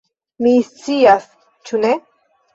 Mi scias, ĉu ne?